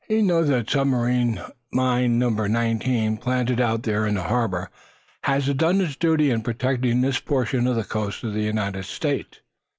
He knows that submarine mine number nineteen, planted out there in the harbor, has done its duty in protecting this portion of the coast of the United States.